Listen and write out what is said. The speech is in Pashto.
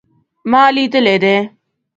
ما لیدلی دی